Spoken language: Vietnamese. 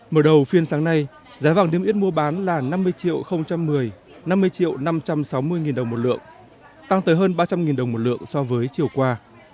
mở đầu phiên sáng nay giá vàng niêm yết mua bán là năm mươi triệu một mươi năm mươi triệu năm trăm sáu mươi đồng một lượng tăng tới hơn ba trăm linh đồng một lượng so với chiều qua